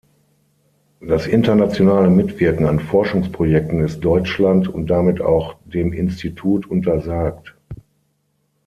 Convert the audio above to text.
Das internationale Mitwirken an Forschungsprojekten ist Deutschland und damit auch dem Institut untersagt.